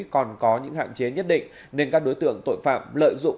còn có những hạn chế nhất định nên các đối tượng tội phạm lợi dụng